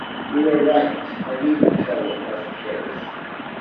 We were right, I needn't tell the present hearers.